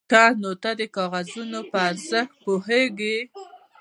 _ښه، نو ته د کاغذونو په ارزښت پوهېږې؟